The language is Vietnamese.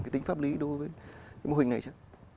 cái tính pháp lý đối với cái mô hình này chứ